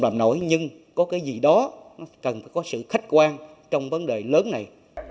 không dám nói nhưng có cái gì đó cần có sự khách quan trong vấn đề lớn này